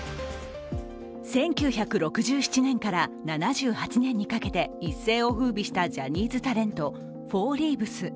１９６７年から７８年にかけて一世を風靡したジャニーズタレント、フォーリーブス。